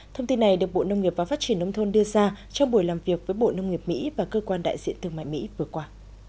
thông tin này được bộ nông nghiệp và phát triển nông thôn đưa ra trong buổi làm việc với bộ nông nghiệp mỹ và cơ quan đại diện thương mại mỹ vừa qua